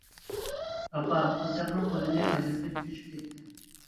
ئاپا، قىزچاقنىڭ قولىنى ئاجرىتىپ چۆچۈپ كەتتى.